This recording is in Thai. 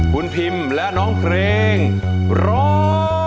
คุณพิมและน้องเพลงร้อง